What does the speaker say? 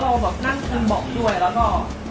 เพราะเรานั่งคุณบอกด้วยแล้วก็